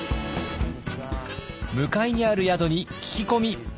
向かいにある宿に聞き込み。